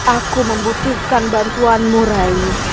aku membutuhkan bantuanmu rayi